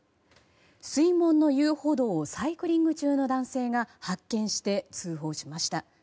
水門の遊歩道をサイクリング中の男性が発見して通報しました。